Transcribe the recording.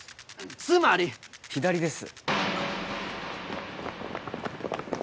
つまり⁉左です。